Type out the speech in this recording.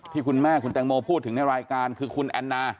ที่คุณแม่คุณแตงโมพูดถึงในรายการคือคุณแอนนา